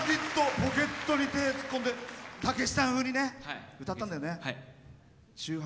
ポケットに手を突っ込んでたけしさん風に歌ったんだよね。